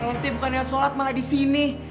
nt bukan yang sholat malah disini